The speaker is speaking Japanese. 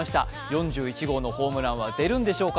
４１号のホームランは出るんでしょうか？